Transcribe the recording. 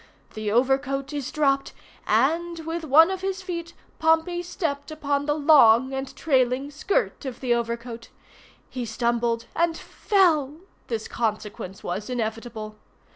The overcoat is dropped, and, with one of his feet, Pompey stepped upon the long and trailing skirt of the overcoat. He stumbled and fell—this consequence was inevitable.